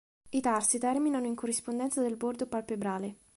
I tarsi terminano in corrispondenza del bordo palpebrale.